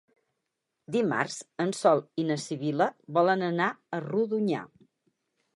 Dimarts en Sol i na Sibil·la volen anar a Rodonyà.